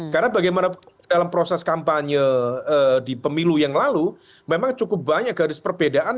karena bagaimana dalam proses kampanye di pemilu yang lalu memang cukup banyak garis perbedaan